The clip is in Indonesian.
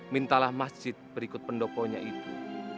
mintalah masjid berikut pendoponya itu